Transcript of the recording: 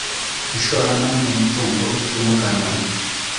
ishoramari mu mutungo utimukanwa